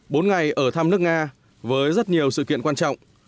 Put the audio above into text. bốn ngày ở thăm nước nga với rất nhiều sự kiện quan trọng